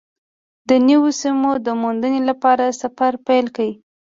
د نویو سیمو د موندنې لپاره سفر پیل کړ.